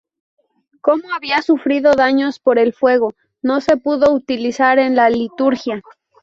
Como había sufrido daños por el fuego, no se pudo utilizar en la liturgia.